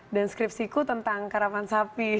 dan skripsiku tentang karapan sapi